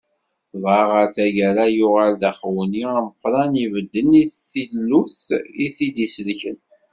Dɣa ɣer tagara yuɣal d axewni ameqqran ibedden i tillut i t-id-isellken.